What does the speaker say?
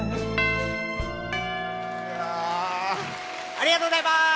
ありがとうございます。